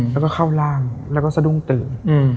แล้วก็เข้าร่างแล้วก็สะดุ้งตื่น